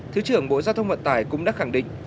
thứ trưởng bộ giao thông vận tải cũng đã khẳng định